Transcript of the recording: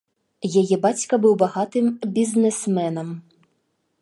Яе бацька быў багатым бізнесменам.